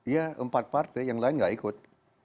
ya empat partai yang lain nggak ikut